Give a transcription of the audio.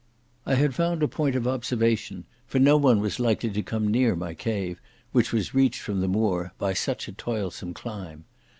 I had found a point of observation, for no one was likely to come near my cave, which was reached from the moor by such a toilsome climb.